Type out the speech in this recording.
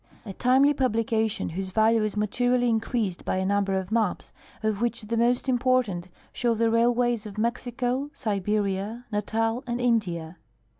A timely publication, whose value is materially increased by a nundier of ma])s, of which the most important sliow the railways of IMexico, Si beria, Natal, and India.